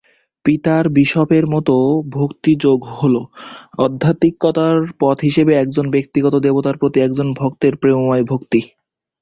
পিতার বিশপের মতে, ভক্তি যোগ হল, আধ্যাত্মিকতার পথ হিসেবে একজন ব্যক্তিগত দেবতার প্রতি একজন ভক্তের প্রেমময় ভক্তি।